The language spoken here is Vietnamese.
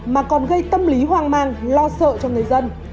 mà còn gây tâm lý hoang mang lo sợ cho người dân